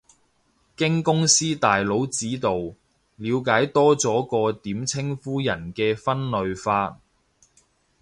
經公司大佬指導，了解多咗個點稱呼人嘅分類法